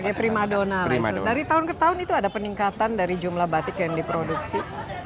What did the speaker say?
sebagai primadona dari tahun ke tahun itu ada peningkatan dari jumlah batik yang diproduksi